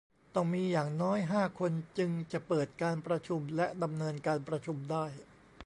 ต้องมีอย่างน้อยห้าคน จึงจะเปิดการประชุมและดำเนินการประชุมได้